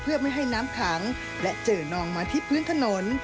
เพื่อไม่ให้น้ำขังและเจอนองมาที่พื้นถนน